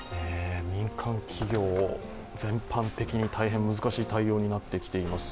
民間企業、全般的に大変難しい対応になってきています。